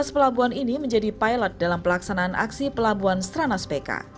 tujuh belas pelabuhan ini menjadi pilot dalam pelaksanaan aksi pelabuhan stranas pk